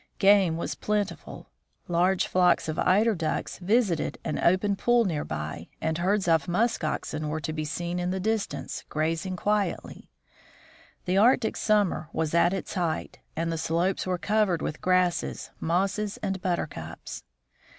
Game was plentiful. Large flocks of eider ducks visited an open pool near by, and herds of musk oxen were to be seen in the distance, grazing quietly. The Arctic summer was at its height, and the slopes were covered with grasses, mosses, and buttercups.